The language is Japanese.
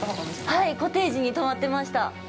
はい、コテージに泊まってました。